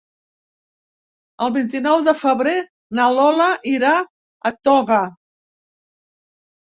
El vint-i-nou de febrer na Lola irà a Toga.